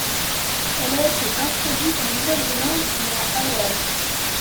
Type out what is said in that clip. Elle a été introduite en Nouvelle-Zélande et à Hawaï.